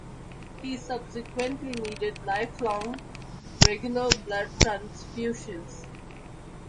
He subsequently needed lifelong regular blood transfusions.